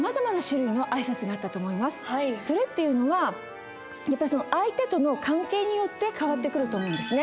それっていうのはやっぱり相手との関係によって変わってくると思うんですね。